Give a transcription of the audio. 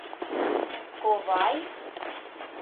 Ковай?